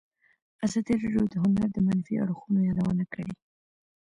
ازادي راډیو د هنر د منفي اړخونو یادونه کړې.